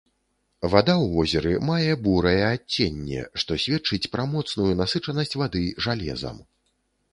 Вада ў возеры мае бурае адценне, што сведчыць пра моцную насычанасць вады жалезам.